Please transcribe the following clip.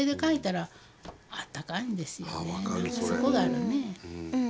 そこがあるね。